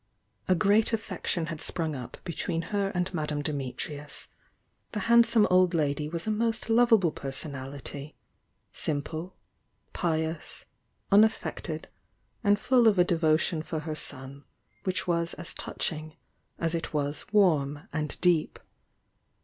A great affection had sprung up between her and Ma dame Dimitrius; the handsome old lady was a most lovable personality, simple, pious, unaffected, and full of a devotion for her son which was as touching as it was warm and deep.